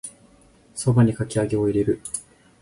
蕎麦にかき揚げを入れる